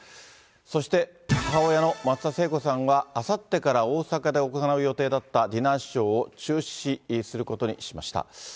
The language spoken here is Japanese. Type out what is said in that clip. そして、母親の松田聖子さんはあさってから大阪で行う予定だったディナーショーを中止することにしました。